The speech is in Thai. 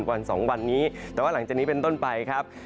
วันสองวันนี้แต่ว่าหลังจากนี้เป็นต้นไปครับ